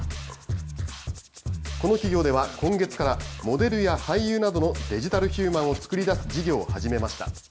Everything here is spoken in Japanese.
この企業では、今月からモデルや俳優などのデジタルヒューマンを作り出す事業を始めました。